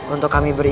untuk kami berjalan